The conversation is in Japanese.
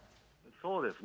そうですね。